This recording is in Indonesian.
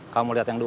kamu lihat yang dua